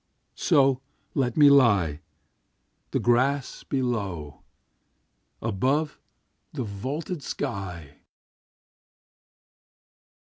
So let me lie,— The grass below; above, the vaulted sky.